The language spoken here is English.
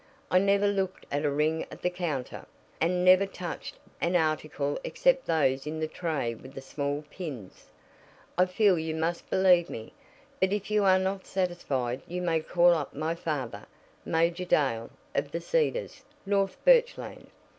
I never looked at a ring at the counter, and never touched an article except those in the tray with the small pins. I feel you must believe me, but if you are not satisfied you may call up my father, Major Dale, of The Cedars, North Birchland.